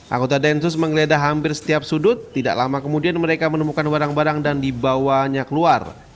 anggota densus menggeledah hampir setiap sudut tidak lama kemudian mereka menemukan barang barang dan dibawanya keluar